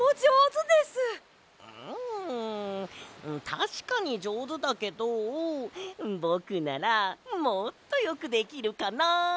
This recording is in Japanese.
たしかにじょうずだけどぼくならもっとよくできるかな。